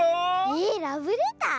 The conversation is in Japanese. えっラブレター？